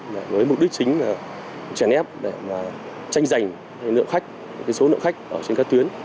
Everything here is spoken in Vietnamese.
với mục đích chính là chèn ép để mà tranh giành nợ khách số nợ khách ở trên các tuyến